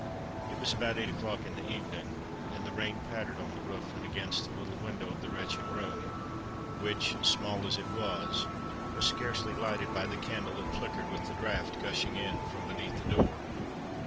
It was about eight o'clock in the evening; and the rain pattered on the roof and against the little window of the wretched room, which, small as it was, was scarcely lighted by the candle that flickered with the draught gushing in from beneath the door.